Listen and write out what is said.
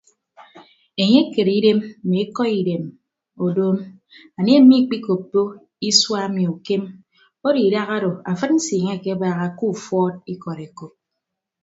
Enye ekere idem mme ikọ idem odoom anie mmikikoppo isua ami ukem odo idahado afịd nsiiñe akebaaha ke ufọọd ikọd ekop.